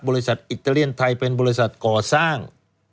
อิตาเลียนไทยเป็นบริษัทก่อสร้าง